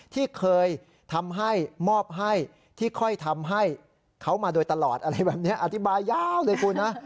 ที่เคยทำให้มอบให้ที่ค่อยทำให้เขามาโดยตลอดอะไรแบบนี้อธิบายยาวเลยคุณนะ